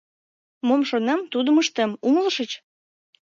Мом шонем, тудым ыштем, умылышыч?